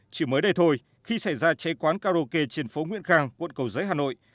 chỉ mới đây thôi khi xảy ra cháy quán karaoke trên phố nguyễn khang quận cầu giấy hà nội